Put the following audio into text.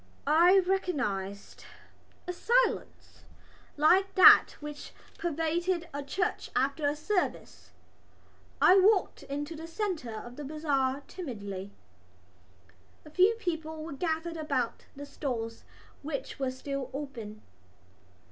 I recognised a silence like that which pervades a church after a service. I walked into the centre of the bazaar timidly. A few people were gathered about the stalls which were still open.